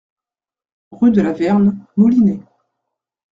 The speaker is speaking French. Rue de la Verne, Molinet